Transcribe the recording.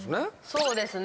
そうですね。